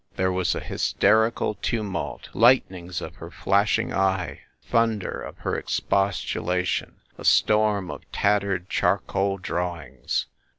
There was a hysterical tumult, lightnings of her flashing eye, thunder of her expostulation, a storm of tattered charcoal drawings.